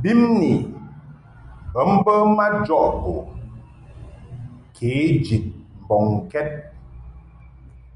Bimni bə mbə majɔʼ bo kě jid mbɔŋkɛd.